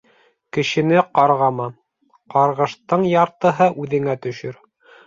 Кешене ҡарғама: ҡарғыштың яртыһы үҙеңә төшөр.